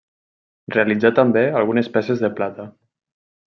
Realitzà també algunes peces de plata.